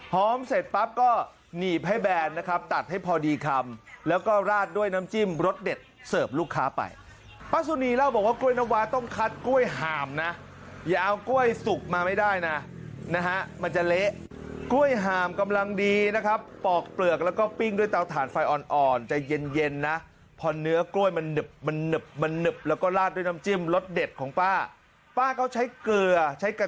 หอมเสร็จปั๊บก็หนีบให้แบนนะครับตัดให้พอดีคำแล้วก็ราดด้วยน้ำจิ้มรสเด็ดเสิร์ฟลูกค้าไปป้าสุนีเล่าบอกว่ากล้วยน้ำวาต้องคัดกล้วยหามนะอย่าเอากล้วยสุกมาไม่ได้นะฮะมันจะเละกล้วยหามกำลังดีนะครับปอกเปลือกแล้วก็ปิ้งด้วยเตาถ่านไฟอ่อนอ่อนจะเย็นเย็นนะพอเนื้อกล้วยมันนึบมันนึบมันนึบแล้วก็